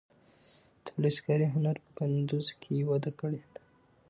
د فلزکارۍ هنر په کندز کې وده کړې ده.